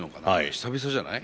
久々じゃない？